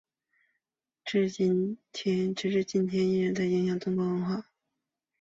直到今天依然在影响中国的文化。